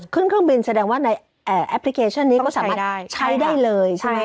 ขึ้นเครื่องบินแสดงว่าแอพพลิเคชันนี้ก็ใช้ได้เลย